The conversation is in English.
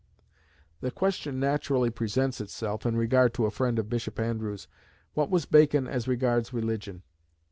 The question naturally presents itself, in regard to a friend of Bishop Andrewes, What was Bacon as regards religion?